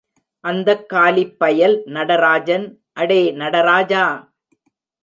அந்தக் காலிப்பயல் நடராஜன் அடே நடராஜா!